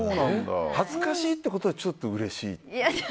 恥ずかしいってことはちょっとうれしい？